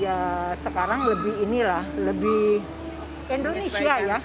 ya sekarang lebih inilah lebih indonesia ya